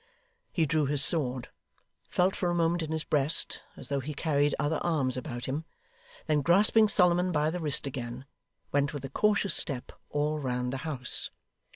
He drew his sword; felt for a moment in his breast, as though he carried other arms about him; then grasping Solomon by the wrist again, went with a cautious step all round the house.